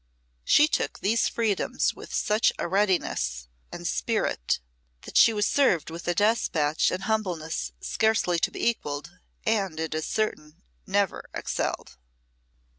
She took these freedoms with such a readiness and spirit that she was served with a despatch and humbleness scarcely to be equalled, and, it is certain, never excelled.